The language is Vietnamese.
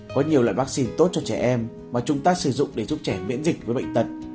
có nhiều loại vaccine tốt cho trẻ em mà chúng ta sử dụng để giúp trẻ miễn dịch với bệnh tật